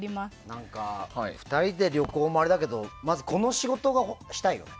何か、２人で旅行もあれだけどまず、この仕事がしたいよね。